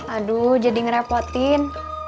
aduh jadi ngerepotin